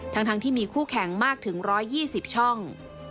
ทั้งที่มีคู่แข่งมากถึง๑๒๐ช่อง